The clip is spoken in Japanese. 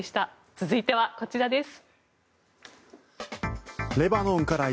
続いてはこちらです。